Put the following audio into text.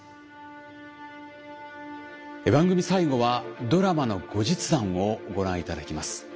番組最後はドラマの後日談をご覧いただきます。